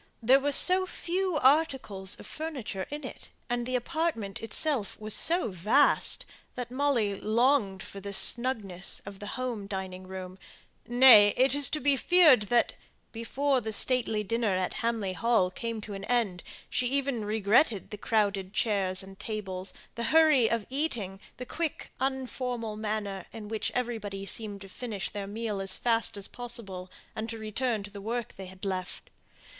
There were so few articles of furniture in it, and the apartment itself was so vast, that Molly longed for the snugness of the home dining room; nay, it is to be feared that, before the stately dinner at Hamley Hall came to an end, she even regretted the crowded chairs and tables, the hurry of eating, the quick unformal manner in which everybody seemed to finish their meal as fast as possible, and to return to the work they had left.